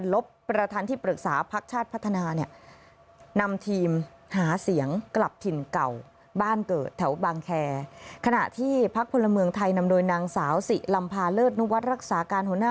และหน่ายพันธองแท้ชีวิน